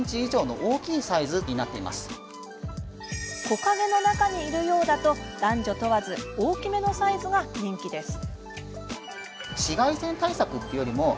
木陰の中にいるようだと男女問わず大きめのサイズが人気です。